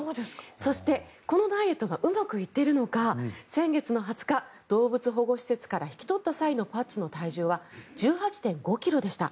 そして、このダイエットがうまくいっているのか先月２０日動物保護施設から引き取った際のパッチの体重は１８．５ｋｇでした。